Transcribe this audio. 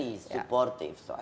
dan sangat mendukung